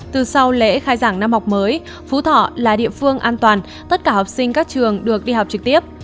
từ sau lễ khai giảng năm học mới phú thọ là địa phương an toàn tất cả học sinh các trường được đi học trực tiếp